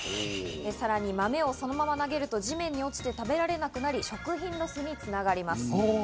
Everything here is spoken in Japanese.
さらに豆をそのまま投げると地面に落ちて食べられなくなり、食品ロスに繋がります。